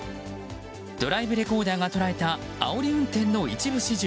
ドライブレコーダーが捉えたあおり運転の一部始終。